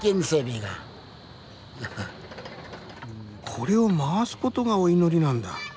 これを回す事がお祈りなんだ。